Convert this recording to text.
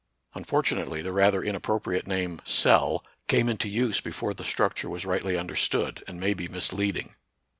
Unfortunately the rather inappropriate name cell came into use before the structure was rightly understood, and may be misleading.